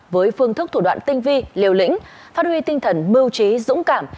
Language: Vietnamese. với phương thức thủ đoạn tinh vi liều lĩnh phát huy tinh thần mưu trí dũng cảm